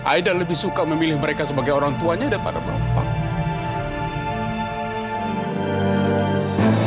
aida lebih suka memilih mereka sebagai orang tuanya daripada bapak